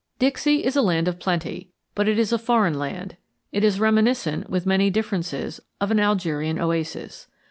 Dixie is a land of plenty, but it is a foreign land. It is reminiscent, with many differences, of an Algerian oasis.